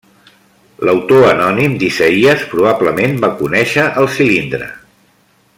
L'autor anònim d'Isaïes probablement va conèixer el Cilindre.